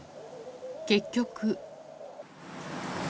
結局。